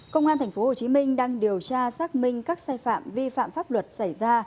công an tp hcm đang điều tra xác minh các sai phạm vi phạm pháp luật xảy ra